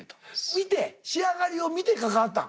見て仕上がりを見て書かはったん？